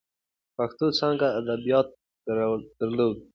پښتو څانګه ادبیات درلودل.